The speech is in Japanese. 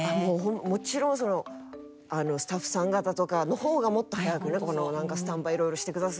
もちろんそのスタッフさん方とかの方がもっと早くなんかスタンバイ色々してくださってる